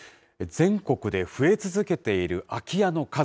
全国で増え続けている空き家の数。